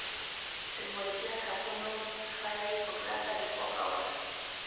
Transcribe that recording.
د مالکیت حقونو څخه یې په کلکه دفاع کوله.